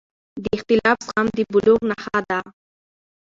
د اختلاف زغم د بلوغ نښه ده